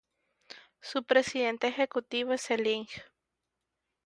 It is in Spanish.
Su presidente ejecutivo es el Ing.